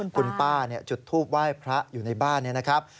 คุณป้าคุณป้าจุดทูปไหว้พระอยู่ในบ้านนี้นะครับ